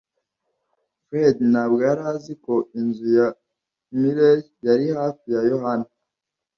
Fredy ntabwo yari azi ko inzu ya Mirelle yari hafi ya Yohana.